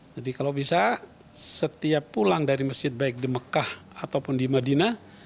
jadi kalau bisa setiap pulang dari masjid baik di mekah ataupun di madinah